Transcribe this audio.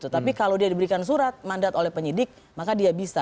tapi kalau dia diberikan surat mandat oleh penyidik maka dia bisa